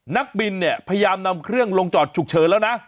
นักบินเนี่ยพยายามนำเครื่องลงจอดฉุกเฉินแล้วนะ